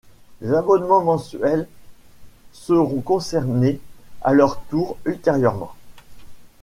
Les abonnements mensuels seront concernés à leur tour ultérieurement.